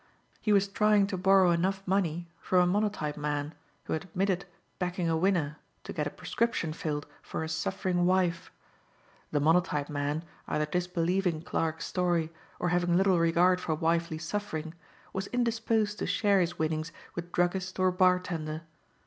He was trying to borrow enough money from a monotype man, who had admitted backing a winner, to get a prescription filled for a suffering wife. The monotype man, either disbelieving Clarke's story or having little regard for wifely suffering, was indisposed to share his winnings with druggist or bartender.